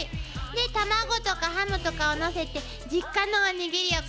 で卵とかハムとかをのせて実家のおにぎりを超えていったのよ。